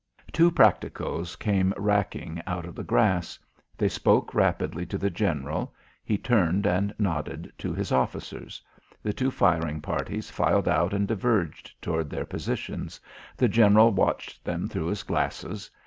Two practicos came racking out of the grass. They spoke rapidly to the general; he turned and nodded to his officers. The two firing parties filed out and diverged toward their positions. The general watched them through his glasses.